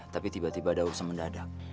tapi tiba tiba ada urusan mendadak